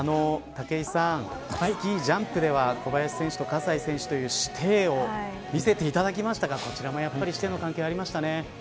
武井さん、スキージャンプでは小林選手と葛西選手という師弟を見せていただきましたがこちらも子弟の関係がありましたね。